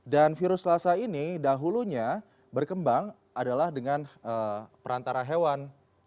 dan virus lhasa ini dahulunya berkembang adalah dengan perantara hewan